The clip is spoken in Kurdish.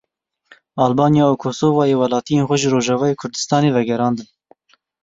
Albanya û Kosovoyê welatiyên xwe ji Rojavayê Kurdistanê vegerandin.